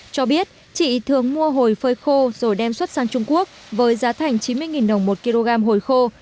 cho biết chị thường mua hồi phơi khô rồi đem xuất sang trung quốc với giá thành chín mươi đồng một kg hồi khô